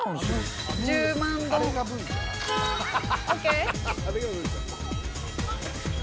１０万ドンＯＫ？